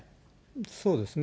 そうですね。